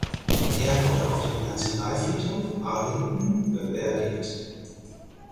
Er wurde auf dem Nationalfriedhof Arlington beerdigt.